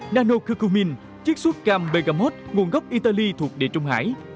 nano cucumin chiếc suốt cam pegamot nguồn gốc italy thuộc địa trung hải